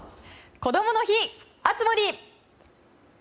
こどもの日熱盛！